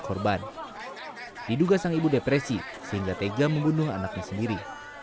korban diduga sang ibu depresi sehingga tega membunuh anaknya sendiri